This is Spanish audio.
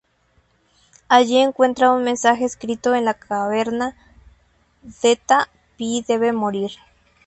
Allí encuentra un mensaje escrito en la caverna: "Theta Pi debe morir".